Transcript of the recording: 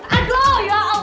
aduh ya allah